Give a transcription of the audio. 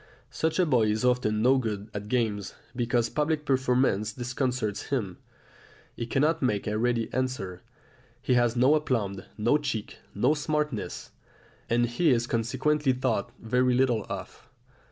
Such a boy is often no good at games, because public performance disconcerts him; he cannot make a ready answer, he has no aplomb, no cheek, no smartness; and he is consequently thought very little of.